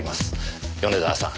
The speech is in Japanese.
米沢さん